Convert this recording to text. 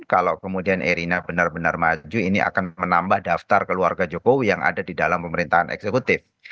kalau kemudian erina benar benar maju ini akan menambah daftar keluarga jokowi yang ada di dalam pemerintahan eksekutif